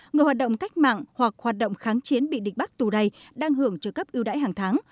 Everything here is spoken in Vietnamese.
người hoạt động cách mạng hoặc hoạt động kháng chiến bị địch bắt tù đầy đang hưởng trợ cấp ưu đãi hàng tháng